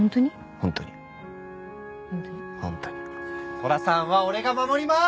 寅さんは俺が守りまーす！